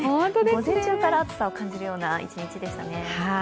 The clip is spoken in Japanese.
午前中から暑さを感じるような一日でしたね。